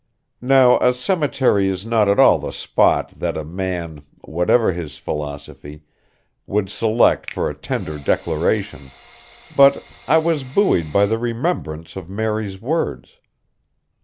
Now a cemetery is not at all the spot that a man, whatever his philosophy, would select for a tender declaration, but I was buoyed by the remembrance of Mary's words.